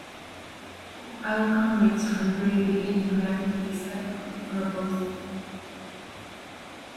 Other comrades from the very beginning reacted to it skeptically or opposed it.